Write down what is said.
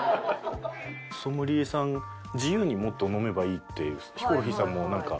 ソムリエさん「自由にもっと飲めばいい」ってヒコロヒーさんもなんか。